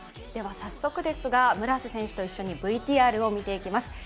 早速ですが村瀬選手と一緒にＶＴＲを見ていきます。